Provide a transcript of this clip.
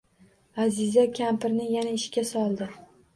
Аziza kampirni yana ishga soldi.